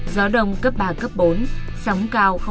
gió đông cấp ba cấp bốn sóng cao năm m